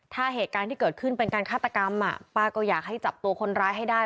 ถ้าเหตุการณ์ที่เกิดขึ้นเป็นการฆาตกรรมป้าก็อยากให้จับตัวคนร้ายให้ได้